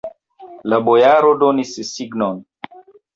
La bojaro donis signon.